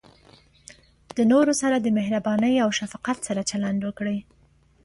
د نورو سره د مهربانۍ او شفقت سره چلند وکړئ.